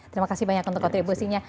terima kasih banyak untuk kontribusinya